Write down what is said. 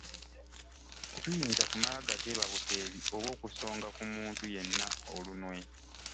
Tetuyinza kumala gateeba buteebi oba okusonga ku muntu yenna olunwe.